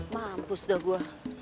mampus dah gue